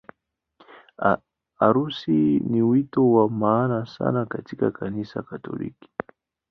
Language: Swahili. Harusi ni wito wa maana sana katika Kanisa Katoliki.